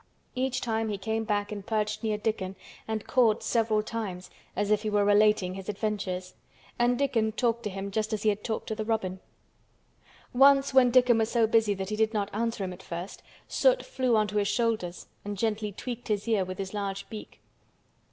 Each time he came back and perched near Dickon and cawed several times as if he were relating his adventures, and Dickon talked to him just as he had talked to the robin. Once when Dickon was so busy that he did not answer him at first, Soot flew on to his shoulders and gently tweaked his ear with his large beak.